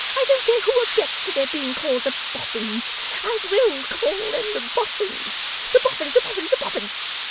'I don't care who objects to their being called the Boffins. I WILL call 'em the Boffins. The Boffins, the Boffins, the Boffins!